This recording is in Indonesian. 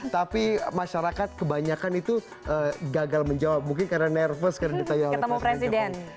tapi masyarakat kebanyakan itu gagal menjawab mungkin karena nervous karena ditanya oleh presiden jokowi